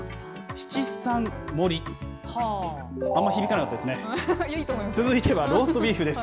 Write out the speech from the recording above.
七三盛り、あんまり響かなかったですね。